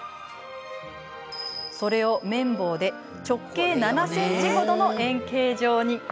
それを、麺棒で直径７ｃｍほどの円形状に。